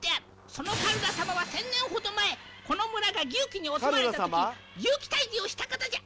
「そのかるらさまは１，０００年ほど前この村が牛鬼に襲われたとき牛鬼退治をした方じゃ。